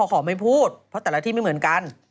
เขาบอกว่าขอไม่พูดเพราะแต่ละที่ไม่เหมือนกัน